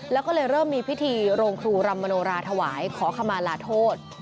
แล้วก็เลยเริ่มมีพิธีโรงครูรำมโนราถวายขอขมาลาโทษ